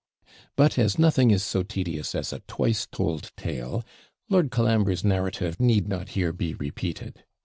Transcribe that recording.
But as nothing is so tedious as a twice told tale, Lord Colambre's narrative need not here be repeated.